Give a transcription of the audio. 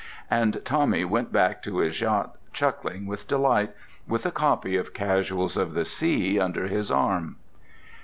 And Tommy went back to his yacht chuckling with delight, with a copy of "Casuals of the Sea" under his arm.